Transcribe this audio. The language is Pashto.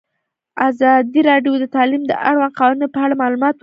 ازادي راډیو د تعلیم د اړونده قوانینو په اړه معلومات ورکړي.